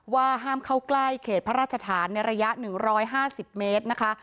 ว่าห้ามเข้าใกล้เขตพระราชฐานในระยะ๑๕๐เมตรนะคะ